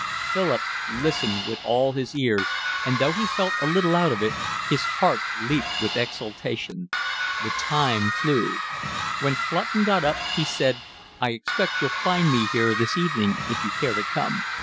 Philip listened with all his ears, and though he felt a little out of it, his heart leaped with exultation. The time flew. When Clutton got up he said: "I expect you'll find me here this evening if you care to come.